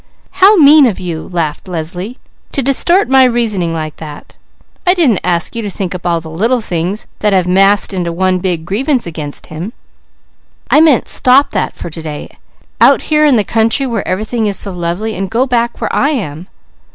"How mean of you!" laughed Leslie, "to distort my reasoning like that! I don't ask you to think up all the little things that have massed into one big grievance against him; I mean stop that for to day, out here in the country where everything is so lovely, and go back where I am."